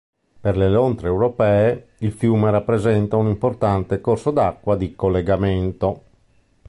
Per le lontre europee il fiume rappresenta un importante corso d'acqua di collegamento.